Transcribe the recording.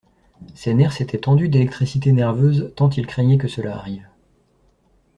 Ses nerfs s’étaient tendus d’électricité nerveuse tant il craignait que cela arrive.